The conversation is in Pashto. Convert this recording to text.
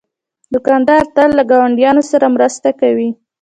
دوکاندار تل له ګاونډیانو سره مرسته کوي.